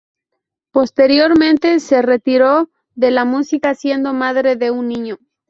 Posteriormente se retiró de la música siendo madre de un niño.